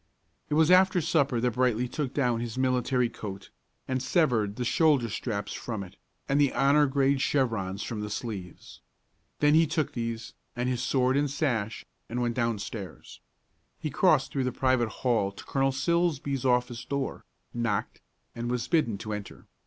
It was after supper that Brightly took down his military coat, and severed the shoulder straps from it, and the honor grade chevrons from the sleeves. Then he took these, and his sword and sash, and went downstairs. He crossed through the private hall to Colonel Silsbee's office door, knocked, and was bidden to enter.